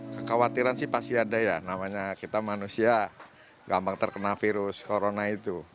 kekhawatiran sih pasti ada ya namanya kita manusia gampang terkena virus corona itu